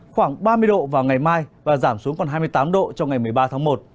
khoảng ba mươi độ vào ngày mai và giảm xuống còn hai mươi tám độ trong ngày một mươi ba tháng một